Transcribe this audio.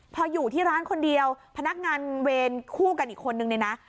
พออยู่ที่ร้านคนเดียวพนักงานเวรคู่กันอีกคนนึงเนี่ยนะ